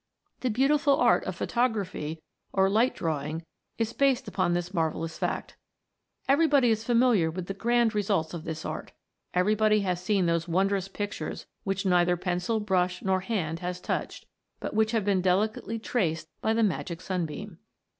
The beautiful art of photography, or light draw ing, is based upon this marvellous fact. Everybody is familiar with the grand results of this art. Every body has seen those wondrous pictures which neither pencil, brush, nor hand has touched, but which have been delicately traced by the magic sunbeam.